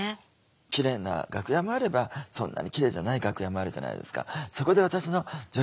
キレイな楽屋もあればそんなにキレイじゃない楽屋もあるじゃないですか。